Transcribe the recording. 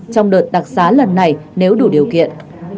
trong đợt đặc xá lần này nếu đủ điều kiện